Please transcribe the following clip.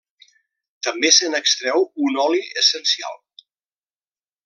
També se n'extreu un oli essencial.